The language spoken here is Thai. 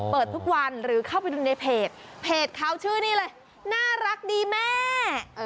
เปิดทุกวันหรือเข้าไปดูในเพจเพจเขาชื่อนี่เลยน่ารักดีแม่